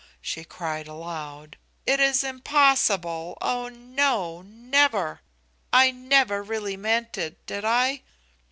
she cried aloud. "It is impossible; oh no! never! I never really meant it; did I?"